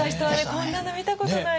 「こんなの見たことない！」